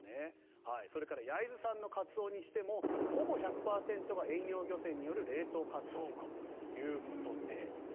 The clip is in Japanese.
それから焼津産のカツオにしてもほぼ１００％が遠洋漁船による冷凍カツオということで。